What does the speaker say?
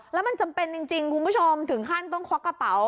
แล้วมันจำเป็นจริงคุณผู้ชมถึงขั้นต้องควักกระเป๋า